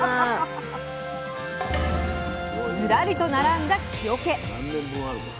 ズラリと並んだ木おけ。